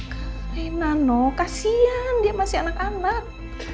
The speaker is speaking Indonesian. kainano kasian dia masih anak anak